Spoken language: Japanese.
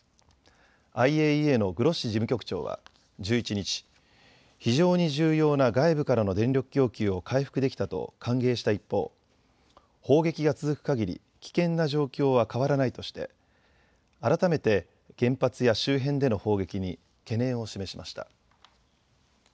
ＩＡＥＡのグロッシ事務局長は１１日、非常に重要な外部からの電力供給を回復できたと歓迎した一方、砲撃が続くかぎり危険な状況は変わらないとして改めて原発や周辺での砲撃に懸念を示しました。